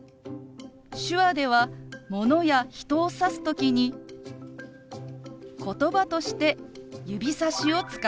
手話ではものや人を指す時にことばとして指さしを使います。